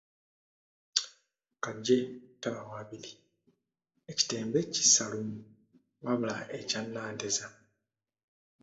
Kaggye taba wabiri, ekitembe kissa lumu, wabula ekya Nanteza.